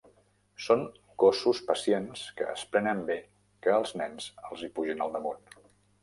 Són gossos pacients que es prenen bé que els nens els hi pugin al damunt.